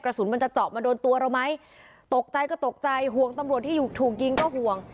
สุนมันจะเจาะมาโดนตัวเราไหมตกใจก็ตกใจห่วงตำรวจที่ถูกยิงก็ห่วง